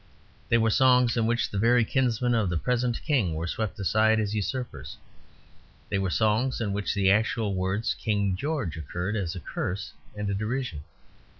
They were songs in which the very kinsmen of the present King were swept aside as usurpers. They were songs in which the actual words "King George" occurred as a curse and a derision.